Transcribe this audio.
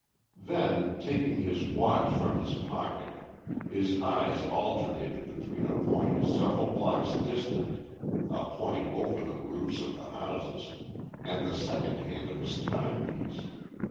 Then, taking his watch from his pocket, his eyes alternated between a point several blocks distant a point over the roofs of the houses and the second hand of his timepiece.